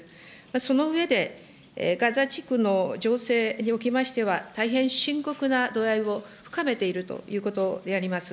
その上でガザ地区の情勢におきましては、大変深刻な度合いを深めているということであります。